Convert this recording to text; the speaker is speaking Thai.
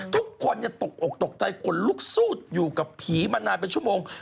ทุกคนตกอกตกใจคนลุกสู้อยู่กับผีมานานเป็นชั่วโมง